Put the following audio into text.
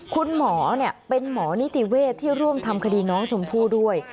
คุณหมอเป็นหมอนิติเวศที่ร่วมทำคดีน้องชมพู่ด้วย